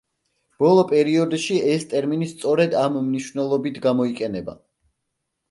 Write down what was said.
ბოლო პერიოდში ეს ტერმინი სწორედ ამ მნიშვნელობით გამოიყენება.